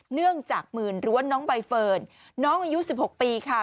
เนื่องจากหมื่นหรือว่าน้องใบเฟิร์นน้องอายุ๑๖ปีค่ะ